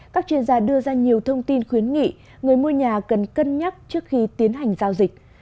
các chuyên gia đưa ra nhiều thông tin khuyến nghị người mua nhà cần cân nhắc trước khi tiến hành giao dịch